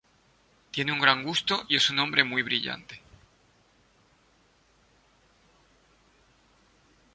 Tiene un gran gusto y es un hombre muy brillante.